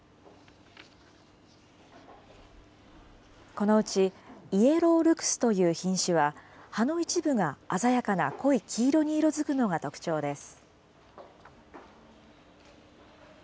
このうち、イエロールクスという品種は、葉の一部が鮮やかな濃い黄色に色づくのが特徴です。